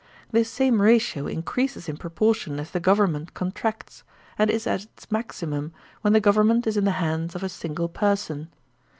This same ratio increases in proportion as the government contracts, and is at its maximum when the government is in the hands of a single person.